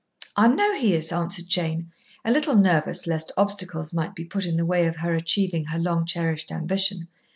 "I know he is," answered Jane, a little nervous lest obstacles might be put in the way of her achieving her long cherished ambition.